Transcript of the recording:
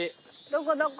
どこどこ？